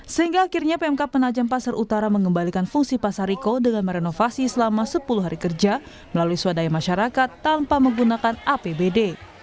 sehingga akhirnya pmk penajam pasar utara mengembalikan fungsi pasar riko dengan merenovasi selama sepuluh hari kerja melalui swadaya masyarakat tanpa menggunakan apbd